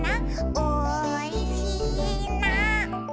「おいしいな」